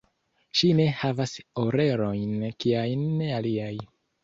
Ŝi ne havas orelojn kiajn aliaj.